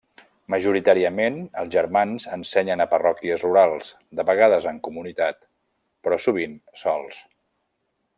Majoritàriament, els germans ensenyen a parròquies rurals, de vegades en comunitat, però sovint sols.